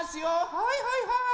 はいはいはい。